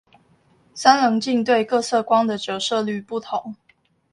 三稜鏡對各色光的折射率不同